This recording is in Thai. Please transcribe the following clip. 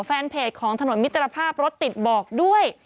แฟนเพจของถนนมิตรภาพรถติดบอกด้วย